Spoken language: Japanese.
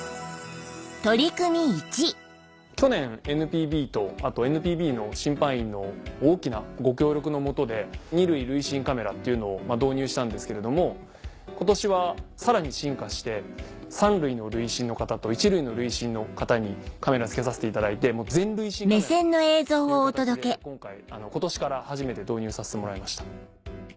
去年ＮＴＶとあとＮＰＢの審判員の大きなご協力の下で２塁塁審カメラっていうのを導入したんですけれども今年はさらに進化して３塁の塁審の方と１塁の塁審の方にカメラ着けさせていただいてもう全塁審カメラという形で今年から初めて導入させてもらいました。